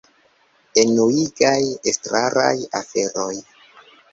Enuigaj estraraj aferoj